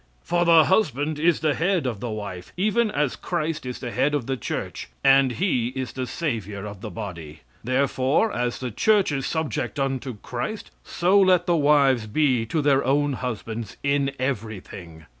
"For the husband is the head of the wife, even as Christ is the head of the church; and he is the savior of the body. "Therefore, as the church is subject unto Christ so let the wives be to their own husbands in everything."